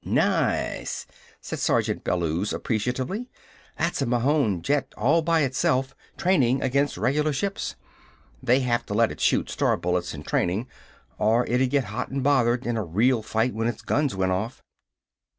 "Nice!" said Sergeant Bellews appreciatively. "That's a Mahon jet all by itself, training against regular ships. They have to let it shoot star bullets in training, or it'd get hot and bothered in a real fight when its guns went off."